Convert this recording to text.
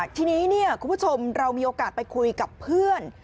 ทีนี้คุณผู้ชมเรามีโอกาสไปคุยกับเพื่อน